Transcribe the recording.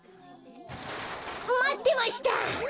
まってました！